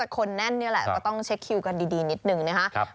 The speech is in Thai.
ก็ต้องเช็คคิวกันดีนิดหนึ่งนะคะ